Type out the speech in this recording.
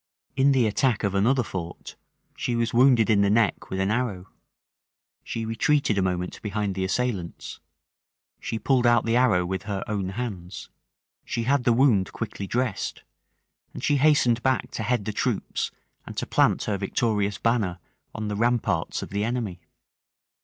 In the attack of another fort, she was wounded in the neck with an arrow; she retreated a moment behind the assailants; she pulled out the arrow with her own hands; she had the wound quickly dressed; and she hastened back to head the troops, and to plant her victorious banner on the ramparts of the enemy.